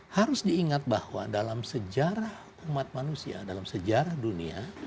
harus diingat bahwa dalam sejarah umat manusia dalam sejarah dunia